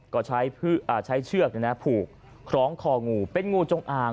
ก็ใช้เชือกผูกคล้องคองูเป็นงูจงอาง